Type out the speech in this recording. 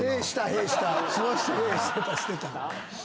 屁してたしてた。